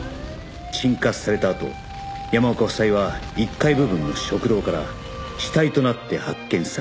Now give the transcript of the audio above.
鎮火されたあと山岡夫妻は１階部分の食堂から死体となって発見された